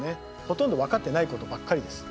ほとんど分かってないことばっかりです。